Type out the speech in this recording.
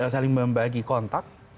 saling membagi kontak